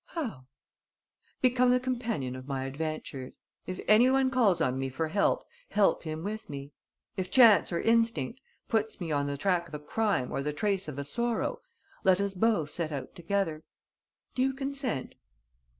"How?" "Become the companion of my adventures. If any one calls on me for help, help him with me. If chance or instinct puts me on the track of a crime or the trace of a sorrow, let us both set out together. Do you consent?"